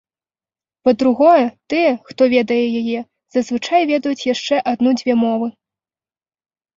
Па-другое, тыя, хто ведае яе, зазвычай ведаюць яшчэ адну-дзве мовы.